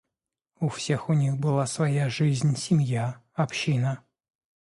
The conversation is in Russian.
У всех у них была своя жизнь, семья, община.